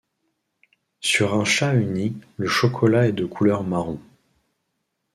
Sur un chat uni, le chocolat est de couleur marron.